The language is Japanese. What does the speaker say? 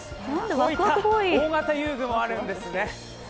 こういった大型遊具もあるんですね。